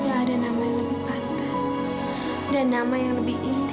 gak ada nama yang lebih pantas dan nama yang lebih inti